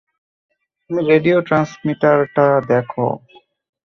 তুমি রেডিও ট্রান্সমিটারটা দেখ।